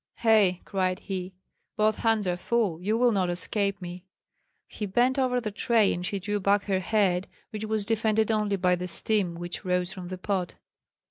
"Hei!" cried he, "both hands are full, you will not escape me." He bent over the tray, and she drew back her head, which was defended only by the steam which rose from the pot.